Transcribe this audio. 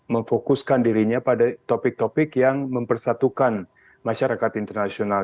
memfokuskan dirinya pada topik topik yang mempersatukan masyarakat internasional